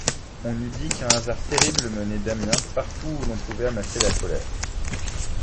On eût dit qu'un hasard terrible menait Damiens partout où l'on pouvait amasser la colère.